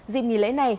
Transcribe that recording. dịp nghỉ lễ này